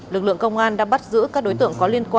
lực lượng công an đã bắt giữ các đối tượng có liên quan